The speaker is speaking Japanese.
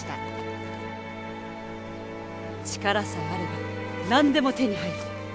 力さえあれば何でも手に入る！